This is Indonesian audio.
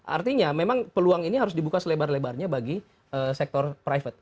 artinya memang peluang ini harus dibuka selebar lebarnya bagi sektor private